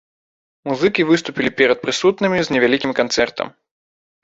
Музыкі выступілі перад прысутнымі з невялікім канцэртам.